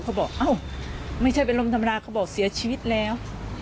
บอกเอ้าไม่ใช่เป็นลมธรรมดาเขาบอกเสียชีวิตแล้ว